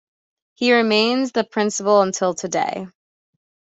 He remains the Principal until today.